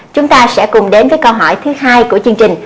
chúng ta sẽ cùng đến với câu hỏi thứ hai của chương trình